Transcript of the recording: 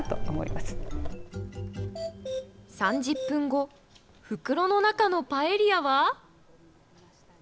３０分後、袋の中のパエリアは？